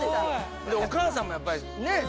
お母さんもやっぱりねぇ？